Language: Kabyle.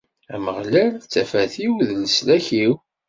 Ameɣlal d tafat-iw d leslak-iw.